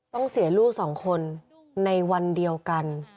ต้องเสียลูกสองคนในวันเดียวกัน